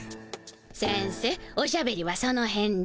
先生おしゃべりはそのへんで。